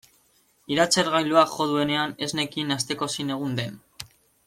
Iratzargailuak jo duenean ez nekien asteko zein egun den.